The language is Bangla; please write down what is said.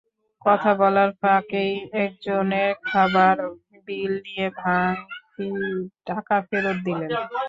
কথা বলার ফাঁকেই একজনের খাবারের বিল নিয়ে ভাঙতি টাকা ফেরত দিলেন।